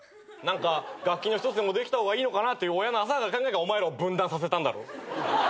何か楽器の一つでもできた方がいいのかなっていう親の浅はかな考えがお前らを分断させたんだろ。